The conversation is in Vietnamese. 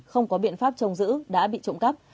không có biện pháp trồng giữ đã bị trộm cắp